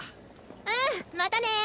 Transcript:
うんまたね！